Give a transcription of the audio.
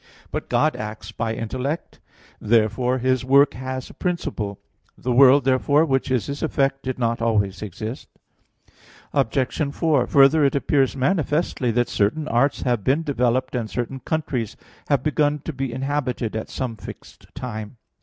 But God acts by intellect: therefore His work has a principle. The world, therefore, which is His effect, did not always exist. Obj. 4: Further, it appears manifestly that certain arts have developed, and certain countries have begun to be inhabited at some fixed time.